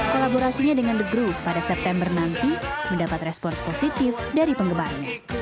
kolaborasinya dengan the groove pada september nanti mendapat respons positif dari penggemarnya